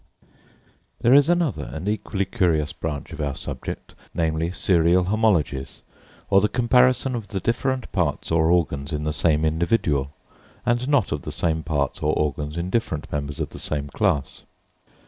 There is another and equally curious branch of our subject; namely, serial homologies, or the comparison of the different parts or organs in the same individual, and not of the same parts or organs in different members of the same class.